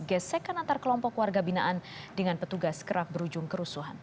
gesekan antar kelompok warga binaan dengan petugas kerap berujung kerusuhan